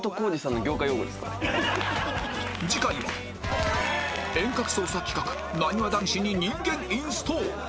次回は遠隔操作企画なにわ男子に人間インストール